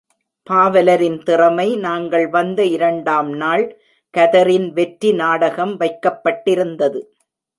பாவலரின் திறமை நாங்கள் வந்த இரண்டாம் நாள் கதரின் வெற்றி நாடகம் வைக்கப்பட்டிருந்தது.